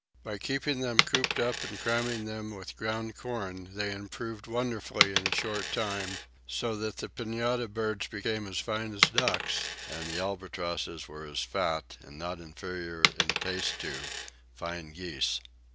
By keeping them cooped up and cramming them with ground corn they improved wonderfully in a short time; so that the pintada birds became as fine as ducks, and the albatrosses were as fat, and not inferior in taste to, fine geese.